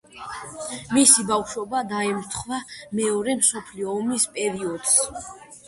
მისი ბავშვობა დაემთხვა მეორე მსოფლიო ომის პერიოდს.